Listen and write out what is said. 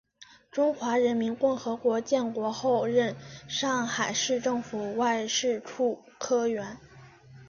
中华人民共和国建国后任上海市政府外事处科员。